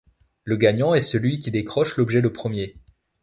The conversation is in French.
Le gagnant est celui qui décroche l'objet le premier.